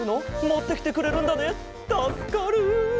もってきてくれるんだねたすかる。